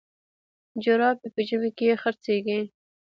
جراپي په ژمي کي خرڅیږي.